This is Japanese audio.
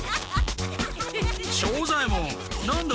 庄左ヱ門何だ？